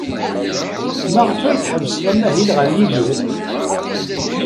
Maɣef ay teḥbes amahil ɣer Yidir?